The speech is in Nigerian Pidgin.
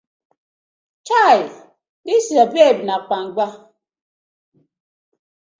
Chai dis yur babe na kpangba.